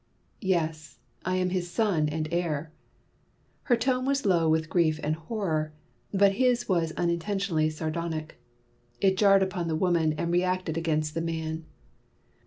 "Yes, I am his son and heir." Her tone was low with grief and horror, but his was unintentionally sardonic. It jarred upon the woman, and reacted against the man.